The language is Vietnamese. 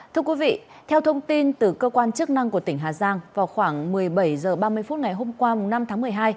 thưa quý vị theo thông tin từ cơ quan chức năng của tỉnh hà giang vào khoảng một mươi bảy h ba mươi phút ngày hôm qua năm tháng một mươi hai